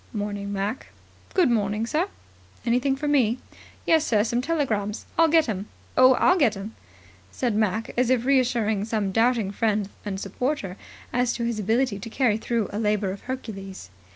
"Morning, Mac." "Good morning, sir." "Anything for me?" "Yes, sir. Some telegrams. I'll get 'em. Oh, I'll get 'em," said Mac, as if reassuring some doubting friend and supporter as to his ability to carry through a labour of Hercules.